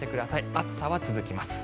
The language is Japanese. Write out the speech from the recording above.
暑さは続きます。